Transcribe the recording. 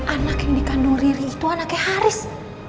anak yang dikandung riri itu anaknya haris